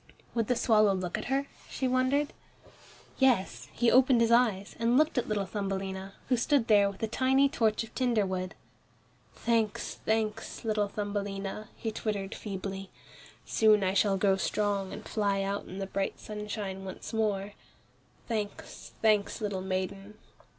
"Would the swallow look at her," she wondered. Yes, he opened his eyes, and looked at little Thumbelina, who stood there with a tiny torch of tinder wood. "Thanks, thanks, little Thumbelina," he twittered feebly. "Soon I shall grow strong and fly out in the bright sunshine once more; thanks, thanks, little maiden."